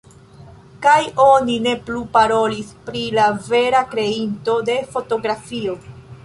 Kaj oni ne plu parolis pri la vera kreinto de fotografio.